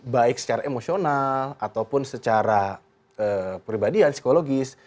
baik secara emosional ataupun secara pribadian psikologis